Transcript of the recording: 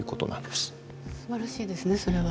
すばらしいですねそれは。